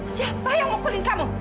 siapa yang mukulin kamu